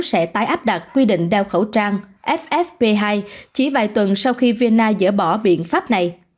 sẽ tái áp đặt quy định đeo khẩu trang fsp hai chỉ vài tuần sau khi vienna dỡ bỏ biện pháp này